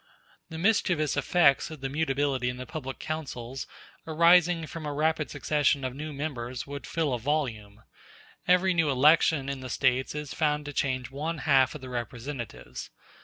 ... The mischievous effects of the mutability in the public councils arising from a rapid succession of new members would fill a volume: every new election in the States is found to change one half of the representatives.